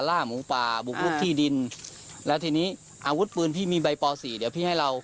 ล่าหมูป่าบุกลุกที่ดินแล้วทีนี้อาวุธปืนพี่มีใบปสี่เดี๋ยวพี่ให้เรา